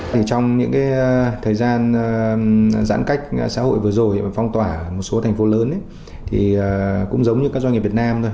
trong những thời gian giãn cách xã hội vừa rồi phong tỏa ở một số thành phố lớn cũng giống như các doanh nghiệp việt nam thôi